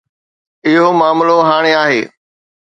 اهو معاملو هاڻي آهي.